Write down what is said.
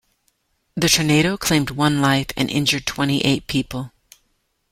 The tornado claimed one life and injured twenty-eight people.